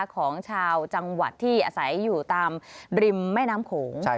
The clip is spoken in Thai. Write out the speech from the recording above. ของชาวจังหวัดที่อาศัยอยู่ตามริมแม่น้ำโขง